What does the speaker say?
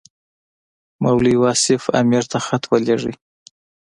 مولوي واصف امیر ته خط ولېږه.